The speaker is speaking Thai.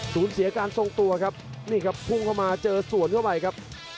สูญเสียการทรงตัวครับนี่ครับพุ่งเข้ามาเจอส่วนเข้าไปครับ